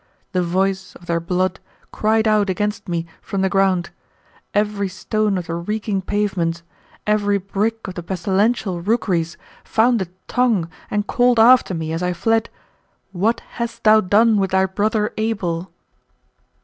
The voice of their blood cried out against me from the ground. Every stone of the reeking pavements, every brick of the pestilential rookeries, found a tongue and called after me as I fled: What hast thou done with thy brother Abel?